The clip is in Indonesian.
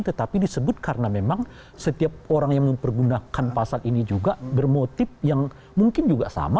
tetapi disebut karena memang setiap orang yang mempergunakan pasal ini juga bermotif yang mungkin juga sama